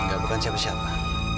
nggak bukan siapa siapa